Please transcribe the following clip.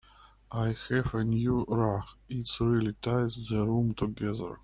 I have a new rug, it really ties the room together.